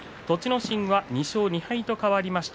心は２勝２敗と変わりました。